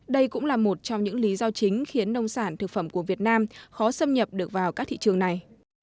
đây cũng là một trong những lý do chính khiến nông sản thực phẩm của việt nam khó xâm nhập được vào các thị trường này